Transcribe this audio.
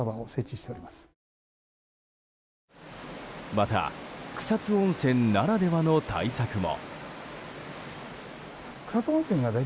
また草津温泉ならではの対策も。